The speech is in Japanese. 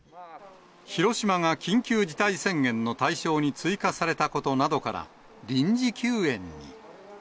広島が緊急事態宣言の対象に追加されたことなどから、臨時休園に。